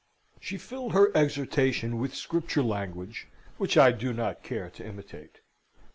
She filled her exhortation with Scripture language, which I do not care to imitate.